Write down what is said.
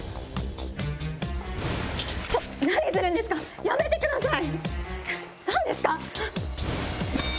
ちょっと何するんですか⁉やめてください！